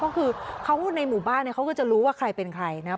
ก็คือเขาในหมู่บ้านเนี่ยเขาก็จะรู้ว่าใครเป็นใครนะครับ